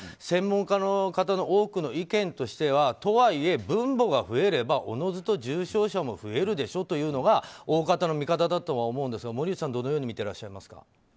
専門家の方の多くの意見としてはとはいえ、分母が増えればおのずと重症者も増えるでしょうというのが大方の見方だと思いますが森内さん、どのように見てらっしゃいますか。